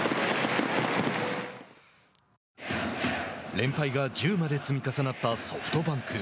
連敗が１０まで積み重なったソフトバンク。